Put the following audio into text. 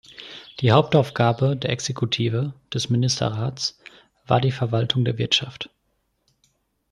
Die Hauptaufgabe der Exekutive, des Ministerrats, war die Verwaltung der Wirtschaft.